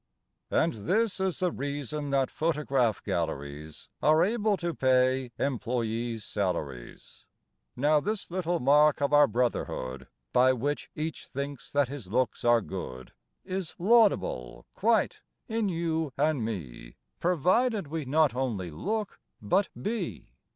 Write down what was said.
And this is the reason that photograph galleries Are able to pay employees' salaries. Now, this little mark of our brotherhood, By which each thinks that his looks are good, Is laudable quite in you and me, Provided we not only look, but be.